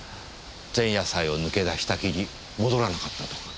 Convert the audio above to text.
前夜祭を抜け出したきり戻らなかったとか？